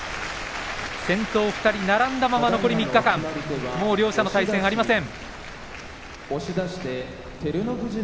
先頭２人並んだまま残り３日間両者の対戦は、ありません。